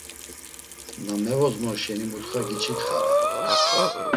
Na mevozmor şeni mutxa giç̌itxare.